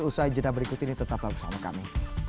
usaha jenah berikut ini tetap bersama kami